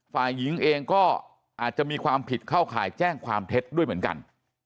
ฝ่ายหญิงเองก็อาจจะมีความผิดเข้าข่ายแจ้งความเท็จด้วยเหมือนกัน